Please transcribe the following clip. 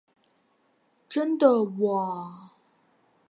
真的喔！